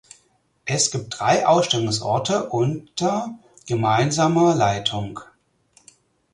Es gibt drei Ausstellungsorte unter gemeinsamer Leitung.